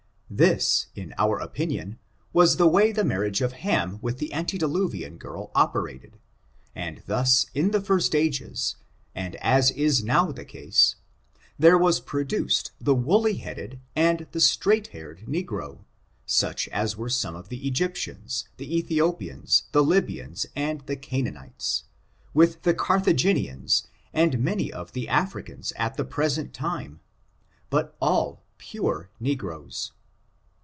This, in our opinion, was the way the marriage of Ham with the antediluvian girl operated, and thus in the first ages, and as is now the case, there was I N^^^^^^^^^^^ «^^^^^^^^ FORTUNES, OP THE NEQBO RACE. produced tha woolly headed and the straigki hmnd negro, such as were some of the Egyptians, the Ethi« opians, the Lybians and the Ganaanites, with the Gartbagenians, and many of the Africans at the present time, but all pure negroes.